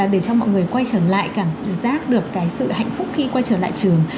để cho mọi người quay trở lại cảm giác được cái sự hạnh phúc khi quay trở lại trường